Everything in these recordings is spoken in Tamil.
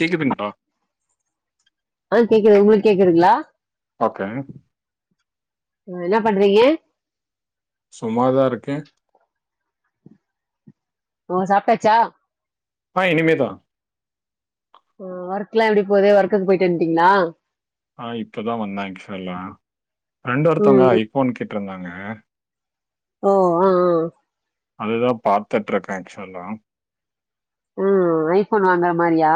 கேக்குதுங்ளா ஆ கேக்குது உங்குளுக் கேக்குதுங்ளா ஓகே அ என்ன பண்றீங்க சும்மாதா இருக்கே ஓ சாப்ட்டாச்சா ஆ இனிமேதா ஆ ஒர்க்லா எப்டி போது ஒர்க்குக்கு போய்ட்டு வன்ட்டீங்ளா அ இப்பதா வந்த ஆக்ஷுலா ஃப்ரெண்டு ஒருத்தங்க ம் ஐஃபோன் கேட்ருந்தாங்க ஓ அ அதுதா பாத்துட்ருக்க ஆக்ஷொலா ம் ஐஃபோன் வாங்றா மாரியா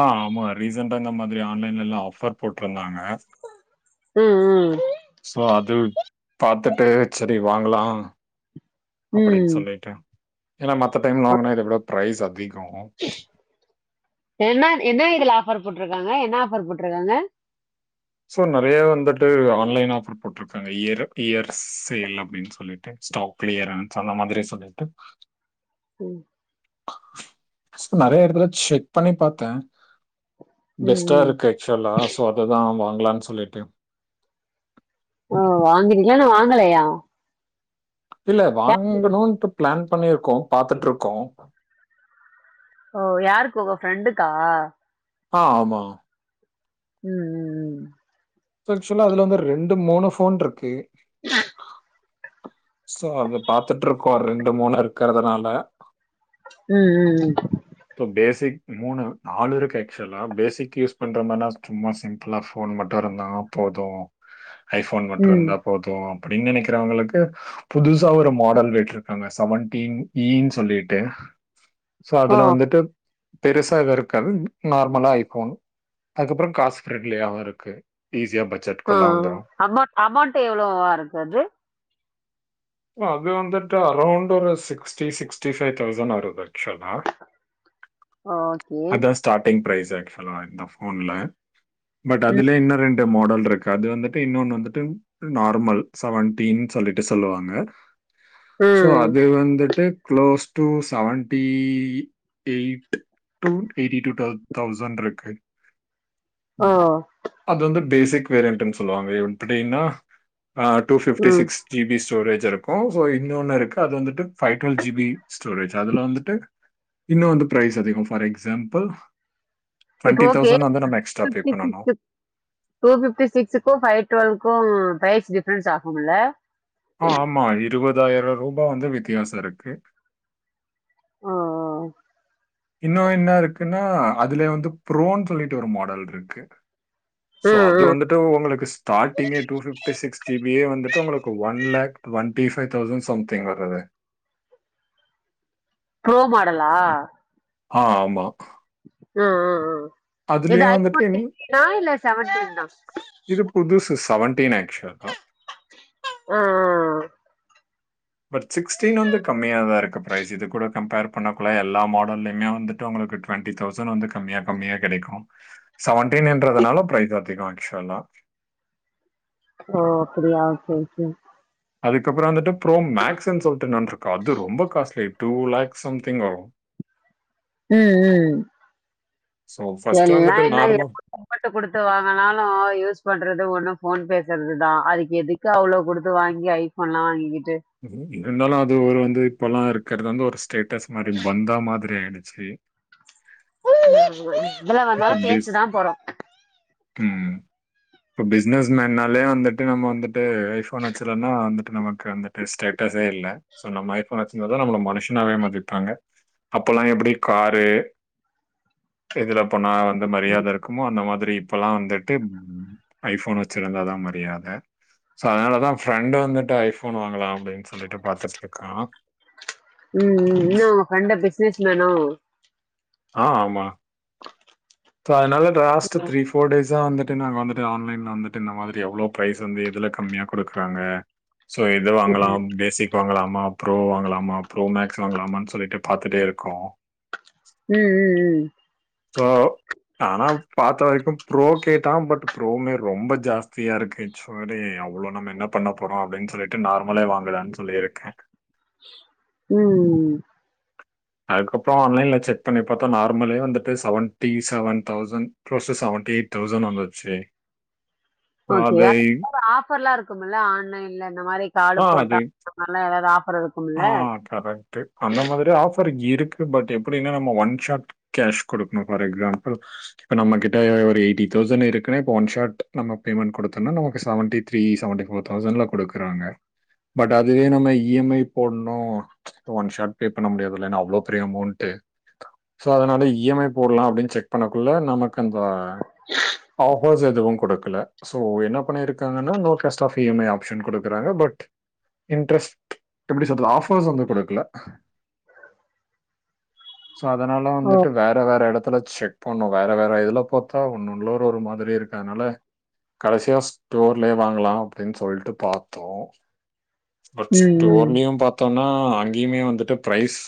ஆ ஆமா ரீசண்ட்டா இந்த மாதிரி ஆன்லைன்லெல்லா ஆஃபர் போட்ருந்தாங்க ம் ம் சோ அது பாத்துட்டு செரி வாங்கலா அப்டின் ம் சொல்லிட்டு ஏனா மத்த டைம்ல வாங்க்னா இத விட ப்ரைஸ் அதிகோ என்னா என்ன இதுல ஆஃபர் போட்ருக்காங்க என்னா ஆஃபர் போட்ருக்காங்க சோ நறையா வந்துட்டு ஆன்லைன் ஆஃபர் போட்ருக்காங்க இயரு இயர் சேல் அப்டின் சொல்லி ட்டு ஸ்டாக் க்ளியரன்ஸ் அந்த மாரி சொல்லிட்டு ம் சோ நறைய எடத்துல செக் பண்ணி பாத்த ம் பெஸ்ட்டா ம். இருக்கு அக்ஷொலா சோ அததா வாங்லான் சொல்லிட்டு ஓ வாங்குனீங்ளா இன்னு வாங்கலயா இல்ல வாங்கணுன்ட்டு ப்ளான் பண்ணிருக்கோ பாத்துட்ருக்கோ ஓ யாருக்கு உங்க ஃப்ரெண்டுக்கா ஆ ஆமா ம் ம் ஆக்சுவலா அதுல வந்து ரெண்டு மூணு ஃபோன்ருக்கு அ சோ அத பாத்துட்ருக்கோ ரெண்டு மூனா இருக்கிறதுனால ம் ம் ம் இப்போ ஃபேசிக் மூணு நாலு இருக்கு ஆக்சுவலா ஃபேசிக் யூஸ் பண்ற மார்னா சொ சும்மா சிம்பிளா போன் மட்டு இருந்தா போது ஐ போன் ம் ம் மட்டுருந்தா போது அப்டின்னு நெனைக்றவங்ளுக்கு புதுசா ஒரு மாடல் வெட்ருக்காங்க செவன்டீன் ஈ ன் சொல்லிட்டு சோ ஓ அதுல வந்துட்டு பெருசா எது இருக்காது நார்மலா ஐ ஃபோன் அதுக்கப்றோ காசு ஃப்ரெண்ட்லியாவு இருக்கு ஈஸியா ஆ [unintelligible] அ அமௌ அமௌண்ட் எவ்ளோவா இருக்கு அது அது வந்துட்டு அரௌண்ட் ஒரு சிக்ஸ்டி சிக்ஸ்டி ஃபைவ் தௌசண்ட் வருது ஆக்சுவலா ஓகே ஸ்டாட்டிங் ஃப்ரைஸ் ஆக்சுவலா இந்த போன்ல பட் ம் அதுல இன்னு ரெண் டு மாடல் இருக்கு அது வந்துட்டு இன்னொன்னு வந்துட்டு நார்மல் செவன்டீன் சொல்லிட்டு சொல்லுவாங்க சோ ம் அது வந்துட்டு close to seventy eight to eighty two twelve thousand இருக்கு ம் ஓ அது வந்து பேசிக் வேரியன்ட்னு சொல்லுவாங்க எப்டின்னா ஆ டூ ஃபிப்டி ம். சிக்ஸ் ஜீ பி ஸ்டோரேஜ் இருக்கு சோ இன்னொன்னு இருக்கு அது வந்துட்டு five twelve G B storage அதுல வந்துட்டு இன்னு வந்து ஃப்ரைஸ் அதிகம் ஃபார் எக்ஸாம்பிள் இப்போ டுவெண்டி ஓகே. தௌசண்ட் வந்து நம்ம எக்ஸ்ட்டா ஃபே பண்ணனு டூ ஃபிப்டி சிக்ஸுக்கு ஃபைவ் டுவெல்லுகு ஃப்ரைஸ் டிஃப்ரன்ஸ் ஆகும்ல அ ஆமா இருவதாயிரோ ரூபா வந்து வித்தியாசோ இருக்கு ஓ ஓ இன்னு என்ன இருக்குன்னா அதுல வந்து ஃப்ரோனு சொல்லிட்டு ஒரு மாடல் இருக்கு [inaudible] ஸோ அது வந்துட்டு உங்களுக்கு ஸ்டாட்டிங்கே டூஃபிஃப்டி சிக்ஸ் ஜீ பியே வந்துட்டு உங்களுக்கு ஒன்லேக் ஒன் த்ரிஃபை தௌசன் சம்திங் வர்ருது ஃப்ரோ மாடல்லா அ ஆமா அ அ அ இது ஐ வந்துட்டு போன் இனி சிக்ஸ்டினா இல்ல செவன்டீனா இது புதுசு செவன்டீன் ஆக்சுவலா அ அ பட் சிக்ஸ்டீன் வந்து கம்மியாதா இருக்கு ஃபிரைஸ் இது கூட கம்ஃபேர் பண்ணக்குள்ள எல்லா மாடல்லியுமே வந்துட்டு உங்களுக்கு ட்வெண்டி தௌசண்ட் வந்து கம்மியா கம்மியா கெடைக்கு செவன்டீன் இன்றதுனால ஃப்ரைஸ் அதிகோ ஆக்சுவலா ஓ அப்டியாச் சேர் சேர் அதுக்கப்றோ வந்துட்டு ஃப்ரோ மேக்ஸ்ன்னு சொல்ட்டு இன்னொன்னு இருக்கு அது ரொம்ப காஸ்ட்லி டூ லேக்ஸ் சம்திங் ஆகு ம் ம் ஸோ ஃபர்ஸ்ட் எல்லா வந்துட்டு என்ன நார்மல் அமௌண்டு குடுத்து வாங்கனாலு யூஸ் பண்றது ஒண்ணு ஃபோன் பேசுறதுதா அதுக்கு எதுக் க்கு அவ்ளோ குடுத்து வாங்கி ஐ போன்லா வாங்கிக்கிட்டு இருந்தாலு அது ஒரு வந்து இப்பலா இருக்கற்து வந்து ஒரு ஸ்டேட்டஸ் மாரி பந்தா மாதிரி ஆய்டுச்சு ஆமாங்க பேஸ் ம் இப்போ பிஸ்னஸ் மேன்னாலே வந்துட்டு நம்ம வந்துட் டு ஐஃபோன் வச்சில்லென்னா வந்துட்டு நமக்கு அந்த ஸ்டேட்டஸ்சே இல்ல சோ நம்ம ஐபோன் வச்சிர்ந்தா தா நம்மள மனுஷனாவே மதிப்பாங்க அப்பெல்லா எப்டி காரு இதுல நா வந்து மரியாத இர்க்குமோ அந்த மாத்திரி இப்பல்லா வந்துட்டு ஐஃபோன் வச்சிருந்தா தா மரியாத சோ அத்னாலதா ஃப்ரெண்டு வந்துட்டு ஐஃபோன் வாங்கலா அப்டின் சொல்லிட்டு பாத்துட்ர்கா ம் ம் இன்னா ப்ரெண்டு பிஸ்னஸ் மேனோ ஆ ஆமா சோ அத்னால லாஸ்ட்டு த்ரி ஃபோர் டேஸ் இத்தா வந்துட்டு நாங்க வந்துட்டு ஆன்லைன்ல வந்துட்டு இந்த மாதிரி எவ்ளோ ப்ரைஸ் வந்து எதுல கம்மியா குடுக்றாங்க சோ எதுவாங்கலா பேசிக் வாங்கலாமா ப்புரோ வாங்கலாமா ப்புரோ மேக்ஸ் வாங்கலாமா சொல்லிட்டு பாத்துட்டே இருக்கோ ம் ம் ம் சோ ஆனா பாத்த வரைக்கு ப்ரோ கேட்டா பட் ப்புரோ மேக் ரொம்ப ஜாஸ்தியாருக்கு சொரி அவ்ளோ நம்‌ம என்ன பண்ண போறோ அப்டின் சொலிட்டு நார்மலே வாங்கலான் சொல்லியிருக்கே ம் அதுக்கப்றோ ஆன்லைன்ல செக் பண்ணி பாத்தா நார்மலே வந்துட்டு seventy seven thousand closes seventy eight thousand வந்து‌ ச்சி ஓக்கேயா உபர் ஆஃபர்ல்லா இருக்குமல்ல ஆன்லைன்ல இந்த மாரி காடு ஆ போட்டா அது இந்தமாரில்லா ஏதாவ்து ஆஃபர் இருக்கும்ல கரெக்ட்டு அந்த மாதிரி ஆஃபர் இருக்கு பட் எப்டின்னா நம்ம ஒன் ஷாட் கேஷ் குடுக்கணு ஃபார் எக்ஸாம்ப்பிள் இப்ப நம்ம கிட்ட ஒரு எயிட்டி தௌசண் இருக்குன்னா இப்போ ஒன் ஷாட் நம்ம பேமெண்ட் குடுத்தோன்னா நமக்கு செவன்டி த்ரீ செவன்டி போர் தௌசண்ல குடுக்குறாங்க பட் அதுவே நம்ம இ எம் ஐ போட்ணு ஒன் ஷார்ட் பே பண்ண முடியாதுல்ல ஏன்னா அவ்ளோ பெரிய அமௌண்ட்டு சோ அத்னால இ எம் ஐ போட்லா அப்டின் செக் பண்ணக்குள்ள நமக்கு அந்த ஆஃபர்ஸ் எதுவோ குடுக்கல சோ என்ன பண்ணிருக்காங்கன்னா no cost of E M I option குடுக்குறாங்க பட் இன்ட்ரெஸ்ட் எப்டி சொல்றது ஆபர்ஸ் வந்து குடுக்கல சோ அதனால ஓ. வந்துட்டு வேற வேற எடத்துல செக் பண்ணோ வேற வேற இதுல பாத்தா ஒன்னொன்ல ஒரோர் மாதிரி இருக்கத்னால கடசியா ஸ்டோர்லயே வாங்கலா அப்டினு சொல்ட்டு பாத்தோ பச் ம், ம். அங்கயு பாத்தோம்னா அங்கயுமே வந்துட்டு ப்ரைஸ்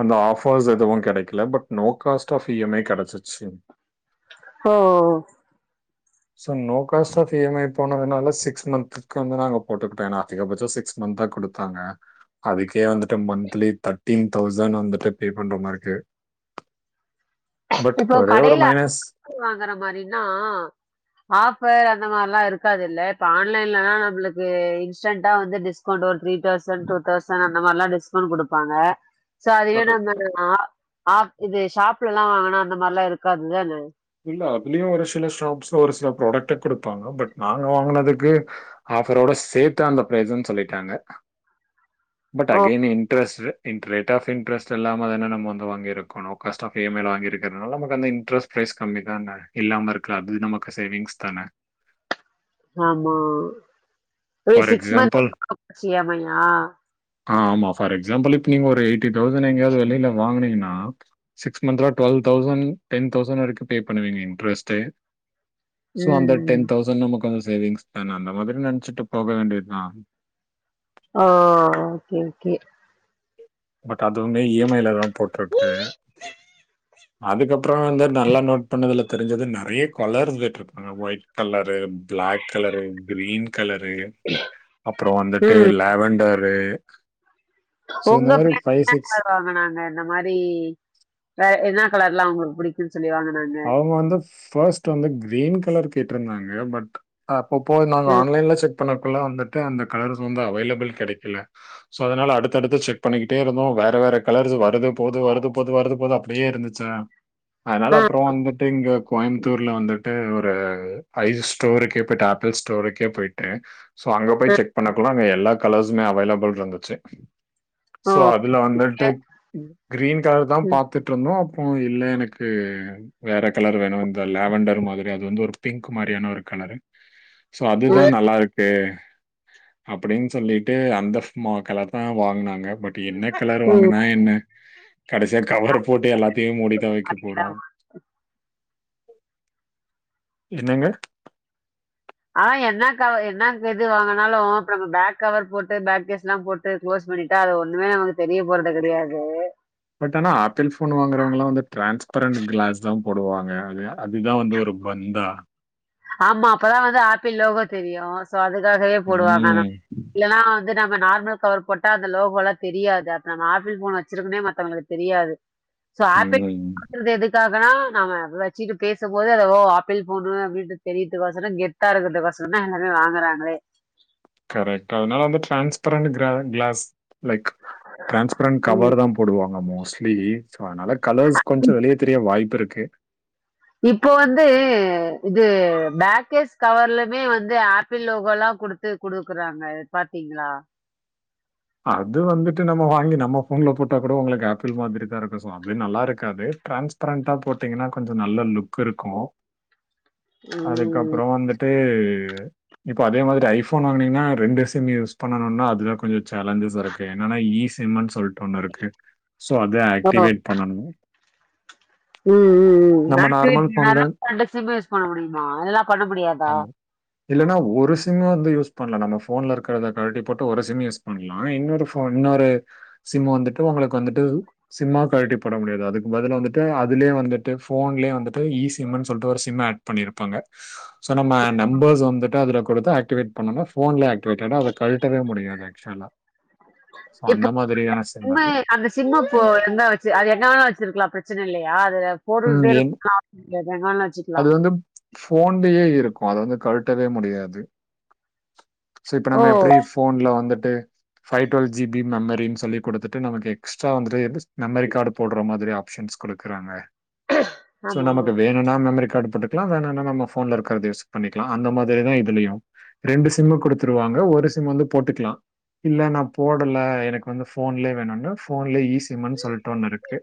அந்த ஆஃபர்ஸ் எதுவோ கெடக்கல but no cost of E M I கெடச்சிச்சி ஹோ so no cost of E M I போனதுனால சிக்ஸ் மந்த்துக்கு வந்து நாங்க போட்டுக்கிட்டே ன்னா அதிகபட்சோ சிக்ஸ் மந்த்தா குடுத்தாங்க அதுக்கே வந்துட்டு மந்த்லி தட்டீன் தௌசண் வந்துட்டு பே பண்றமாரிக்கு இப்போ கடைல ஐ மைனஸ் ஃபோன் வாங்கற மாரின்னா ஆஃபர் அந்த மார்ல்லா இருக்காதுல்ல இப்ப ஆன்லைன்லனா நம்மளுக்கு இன்ஸ்டன்ட்டா வந்து டிஸ்க் கவுண்ட் ஒரு த்ரீ தௌசண் ட்டு தௌசண் அந்த மாரில்லா டிஸ்கவுண்ட் குடுப்பாங்க சோ அதுவே கரெக்ட் நம்ம ஆ ஆப் இது ஷாப்லெல்லா வாங்குனா அந்த மாரில்லா இருக்காதுதான இல்ல அதுலியோ ஒரு சில ஷாப்ஸ்ல ஒரு சில ப்ராடக்ட் குடுப்பாங்க பட் நாங்க வாங்குனதுக்கு ஆஃபரோட சேத்து அந்த ப்ரைஸ்ன் சொல்லிட்டாங்க but O! Again interest in ரேட்டா ஆஃப் இன்ட்ரெ்ட்ஸ்ட் இல்லாம தன நம்ம வந்து வாங்கிருக்கோ low cost of E M I ல வாங்க இருக்கறதுனால நம்மக்கு அந்த இன்ட்ரெஸ்ட் ப்ரைஸ் கம்மி தான இல்லாமருக்காது நமக்கு சேவிங்ஸ் தான ஆமா ஒரு ஃபார் சிக்ஸ் எக்ஸாம்பிள் மந்த்துக்கு வந்து இ எம் ஐயா ஆமா ஃபார் எக்ஸாம்பிள் இப்ப நீங்க ஒரு எயிட்டி தௌசண்ட் எங்கயாவது வெளியில வாங்னீங்கனா சிக்ஸ் மந்த்ல டுவல் தௌசண்ட் டென் தௌசண்ட் வரைக்கு பே பண்ணுவீங்க இன்ட்ரெஸ்டே சோ அந்த ம். டென் தௌசண்ட் நமக்கு அந்த சேவிங்ஸ் தான அந்த மாரி நெனச்சிட்டு போக வேண்டிய தா ஓ ஓகே ஓகே பட் அதுவுமே இ எம் ஐல தா போட்ருக்கு அதுக்கப்புறே வந்து நல்ல நோட் பண்ணுதுல தெரிஞ்சது நறைய கொலரு வேட்ருக் அ white colour black colour green colour அப்புறோ வந்துட்டு ம். லாவண்டரு உங்க [inaudible] என்ன கலர்வாங்கனாங்க இந்த மாரி அ என்ன கலர்லா உங்களுக்கு புடிக்கு க்குன் சொல்லி வாங்குனாங்க அவங்க வந்து ஃபர்ஸ்ட் வந்து க்ரீன் கலர் கேட்ருந்தாங்க பட் அப்பப்போ நாங்க ம். ஆன்லைன்ல செக் பண்ணக்குள்ள வந்துட்டு அந்த கலர்ஸ் வந்து அவைலபிள் கடைக்கல சோ அதனால அடுத்தடுத்து செக் பண்ணிக்கிட்டே இருந்தோ வேற வேற கலர்ஸ் வருது போது வருது போது வருது போது அப்டியே இருந்துச்சா அதனால அ, அப் புறோ வந்துட்டு இங்க கோயம்புத்தூர்ல வந்துட்டு ஒரு ஐஸ் ஸ்டோருக்கே போயிட்டு ஆப்பிள் ஸ்டோருக்கே போயிட்டு டு சோ அங்க போய் அ. செக் பண்ணக்குல அங்க எல்லா கலர்ஸுமே அவைலபிள் இருந்துச்சு ஓ! சோ அதுல வந்துட்டு க் கிரீன் கலர் தா ம், பாத்துட்ருந்தோ பூ இல்ல எனக்கு வேற கலர் வேணு இந்த லேவண்டர் மாரி அது வந்து ஒரு பிங்க் மாரியான ஒரு கலரு சோ அதுதா ம், நல்லாருக்கு அப்டின்னு சொல்லிட்டு அந்த ம் கலர் தா வாங்னாங்க பட் என்ன கலர் ம். வாங்னா என்ன கடசியா கவர போட்டு எல்லாத்தையு மூடி தா வெக்க பாத்தீங்களா? போறோ என்னங்க ஆ என்ன கவ என்ன இது வாங்குனாலு நம்ம பேக் கவர் போட்டு பேக்கேஸ் எல்லா போட் இத க்ளோஸ் பண்ணிட்டா அது ஒண்ணுமே நமக்கு தெரிய போறது கடையாது பட் ஆனா ஆப்பிள் ஃபோன் வாங்கறவங்கலா வந்து டிரான்ஸ்பரண்ட் கிளாஸ் தா போடுவாங்க இல்லயா அதுதா வந்து ஒரு பந்தா ஆமா அப்பதா வந்து ஆப்பிள் லோகோ தெரியு சோ அதுக்காகவே போடுவாங்க ம். [inaudible] இல்லனா வந்து நம்ம நார்மல் கவர் போட்டா அந்த லோகோலா தெரியாது அத் நம்ம ஆப்பிள் ஃபோன் வச்சிருக்கோனே மத்தவங்களுக்கு தெரியாது சோ ஆப்பிள் ம். [inaudible] பாக்குறது எதுக்காகனா நாம வச்சுட்டு பேசும்போது அது ஓ ஆப்பிள் ஃபோனு அப்டின்ட்டு தெரியுதுக்கோசரோ கெத்தா இருக்கறதுக்கோசரேதா எல்லா வாங்குறாங்களே கரெக்ட்டு அதனால வந்து transparent glass glass like transparent ம். கவர் தா போடுவாங்க மோஸ்ட்லி சோ அதனால கலர்ஸ் கொஞ்சோ வெளியே தெரிய வாய்ப்புருக்கு இப்ப வந்து இது பேக்கேஸ் கவர்லுமே வந்து ஆப்பிள் லோகோல்லா குடுத் து குடுக்கறாங்க பாத்தீங்களா அது வந்துட்டு நம்ம வாங்கி நம்ம ஃபோன்ல போட்டா கூட உங்களுக்கு ஆப்பிள் மாரி தா இருக்கு சோ அப்டி நல்லாருக்காது ட்ரான்ஸ்ப்ரண்டா போட்டிங்கன்னா கொஞ்சோ நல்ல லுக்குருக்கு ம். அதுக்கப்புறோ வந்துட் ப்பே இப்ப அதே மாரி ஐஃபோன் வாங்குனிங்னா ரெண்டு சிம் யூஸ் பண்ணனுனா அது தா கொஞ்சொ சேலஞ்சஸ் இருக்கு என்னன்னா இ சிம்னு சொல்லிட்டு ஒன்னு இருக்கு சோ அத ஓ! ஆக்டிவேட் பண்ணணு ம் ம் ம் நம்ம ஆக்டிவேட் நார்மல் ஃபோன்ல பண்ணாத ரெண்டு சிம் யூஸ் பண்ண முடியுமா இல்லனா பண்ண முடியாதா ஆமா. இல்லன்னா ஒரு சிம்ம வந்து யூஸ் பண்ணலா நம்ம போன்ல இருக்றத கழட்டி போட்டு ஒரு சிம் யூஸ் பண்லா இன்னொரு ஃபோ இன்னொரு சிம் வந்துட்டு உங்களுக்கு வந்துட்டு சிம்மா கழட்டி போட முடியாது அதுக்கு பதில் வந்துட்டு அதுலே வந்துட் டு ஃபோன்லே வந்துட்டு இ சிம்னு சொல்ட்டு ஒரு சிம் ஆட் பண்ணிருப்பாங்க சோ நம்ம நம்பர்ஸ் வந்துட்டு அதுல குடுத்து ஆக்டிவேட் பண்ணோனா ஃபோன்லே ஆக் டிவேட்டடா அத கழட்டவே முடியாது ஆக்சுவலா சோ இப்போ அந்த மாதிரியான சிம் சிம்மு அது அந்த சிம்ம இப்போ எந்த வச்சு அது எங்க வேணாலு வச்சிருக்கலா பிரச்சன இல்லயா அது ம் போட்டுட்டே என் இருக்கலா கே எங்கனாலு வச்சு அது வந்து ஃபோன்லயே இருக்கு அத வந்து கழட்டவே முடியாது சோ இப்ப நம்ம ஓ! எப்டி ஃபோன்ல வந்துட்டு ஃபைவ் டுவெல் ஜி பி மெமரின்னு சொல்லி குடுத்துட்டு நமக்கு எக்ஸ்ட்ரா வந்துட்டு மெமரி கார்டு போட்ற மாதிரி ஆப்ஷன்ஸ் குடுக்குறாங்க சோ ஆமா. நமக்கு வேணுனா மெம ரிக்காடு போட்டுக்கலா வேணானா நம்ம ஃபோன்ல இருக்கிறத யூஸ் பண்ணிக்கலா அந்த மாதிரிதா இதுலயு ரெண்டு சிம் குடுத்துடுவாங்க ஒரு சிம் வந்து போட்டுக்கலா இல்ல நா போடல எனக்கு வந்து ஃபோன்லே வேணுன ஃபோன்லே இ சிம்முனு சொல்ட்டு ஒன்னு இருக்கு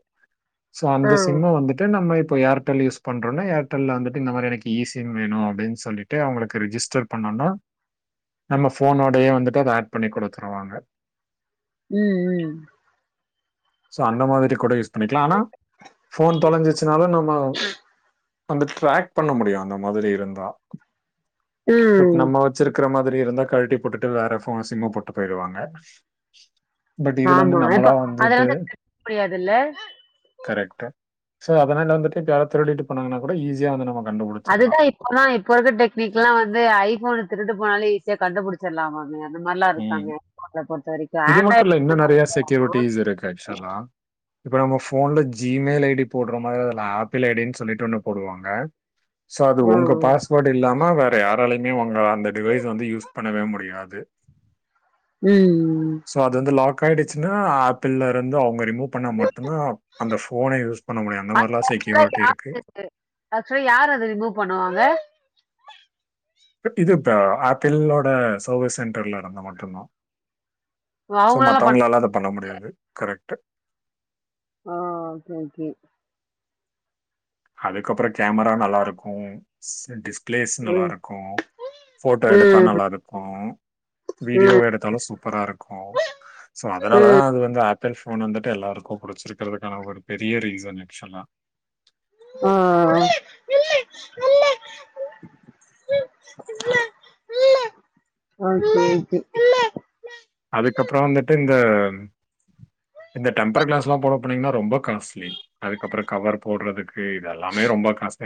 சோ ஆ. அந்த சிம்ம வந்துட்டு நம்ம இப்ப ஏர்டெல் யூஸ் பண்றோனா ஏர் டெல்ல வந்துட்டு இந்த மாரி எனக்கு இ சிம் வேணு அப்டின்னு சொல்லிட்டு அவங்களுக்கு ரிஜிஸ்டர் பண்ணனா நம்ம ஃபோனோடயே வந்துட்டு அத ஆட் பண்ணி குடுத்துருவாங்க ம் ம் சோ அந்த மாரி கூட யூஸ் பண்ணிக்கலா ஆனா ஃபோன் தொலைஞ்சிச்சுனாலு நம்ம வந்து ட்ராக் பண்ண முடியு அந்த மாதிரி இருந்தா ம் பட் நம்ம வச்சிருக்கிற மாதிரி இருந்தா கழுட்டி போட்டுட்டு வேற ஃபோ சிம்ம போட்டு போய்ருவாங்க பட் இதுல வந்து நம்மளா வந்து கழட்ட முடியாதுல்ல கரெக்ட்ட சோ அதனால வந்துட்டு யாரா திருடிட்டு போனாங்கன்னா கூட ஈசியா வந்து நம்ம அதுதா கண்டுபிடிச்சிடலாம். இப்போல்லா இப்போ இருக்குற டெக்னிக்லா வந்து ஐஃபோன் திருடு போனாலே ஈஸியா கண்டுபிடிச்சர்லாமாமே ம் இது மட்டு இல்ல இன்னு நெறையா செக்யூரிட்டிஸ் இருக்கு ஆக்சுவலா இப்போ நம்ம ஃபோன்ல ஜி மெயில் ஐ டி போடுற மாரி அதுல ஆப்பிள் ஐ டி ன்னு சொல்லிட்டு ஒன்னு போடுவாங்க சோ அது உங்க ம். பாஸ் வேர்டு இல்லாம வேற யாராலயுமே உங்க அந்த டிவைஸ் வந்து யூஸ் பண்ணவே முடியாது ம் சோ அது வந்து லாக் ஆயிடுச்சுன்னா ஆப்பிள்லருந்து அவங்க ரிமூவ் பண்ணா மட்டுந்தா அந்த ஃபோன யூஸ் பண்ண முடியு அந்த அது மாரிலா ஆக்சுவலா செக்யூரிட்டி இருக்கு [unintelligible] ஆக்சுவலா யார் அத ரிமூவ் பண்ணுவாங்க இது இப்ப ஆப்பிள்ளோட சர்வீஸ் சென்டர்ல இருந்து மட்டுந்தா சோ அவங்களால மத்தவங்களால அத முடியல. பண்ண முடியாது கரெக்டு ஓ ஓகே ஓகே அதுக்கப்புறோ கேமரா நல்லா இருக்கு ஸ் டிஸ் பிளேஸ் ம். நல்லாருக்கு போட்டா எடுத்தா ம். நல்லாருக்கு ம். வீடியோவா எடுத்தாலு சூப்பரா இருக்கு சோ அதனாலதா ம். அது வந்து ஆப் பிள் ஃபோன் வந்துட்டு எல்லாருக்கு புடிச்சிருக்கிறதுகான ஒரு பெரிய ரீசன் ஆக்சுவலா ஆ ஆ ஓகே ஓகே அதுக்கப்பற வந்துட்டு இந்த இந்த டெம்பர் கிளாஸ்லா போட போனிங்கன்னா ரொம்ப காஸ்லி அதுக்கப்பறோ கவர் போட்றதுக்கு இது எல்லாமே ரொம்ப காஸ் லி